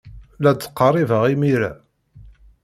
La d-ttqerribeɣ imir-a.